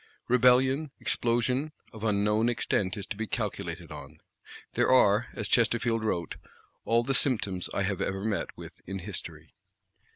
Rebellion, explosion, of unknown extent is to be calculated on. There are, as Chesterfield wrote, "all the symptoms I have ever met with in History!"